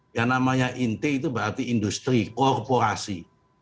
yang namanya inti itu berarti industri korporasi